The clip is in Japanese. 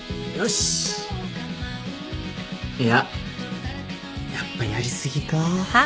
やっぱやり過ぎか。